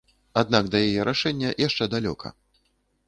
Аднак да яе рашэння яшчэ далёка.